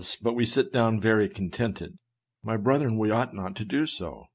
But we sit down very contented. My brethren, we ought not to do so.